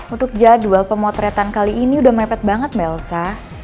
untuk jadwal pemotretan kali ini udah mepet banget melsa